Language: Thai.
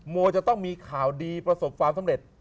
โมจะต้องมีข่าวดีประสบความสำเร็จ